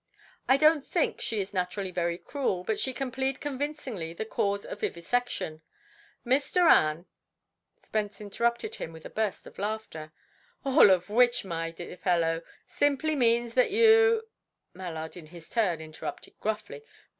I don't think she is naturally very cruel, but she can plead convincingly the cause of vivisection. Miss Doran " Spence interrupted him with a burst of laughter. "All which, my dear fellow, simply means that you " Mallard, in his turn, interrupted gruffly.